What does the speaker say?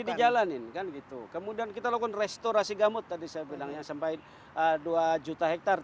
dijalanin kan gitu kemudian kita lakukan restorasi gambut tadi saya bilangnya sampai dua juta hektare